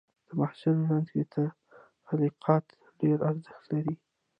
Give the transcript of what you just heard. د محصل ژوند کې تخلیقيت ډېر ارزښت لري.